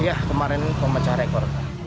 iya kemarin pemacah rekor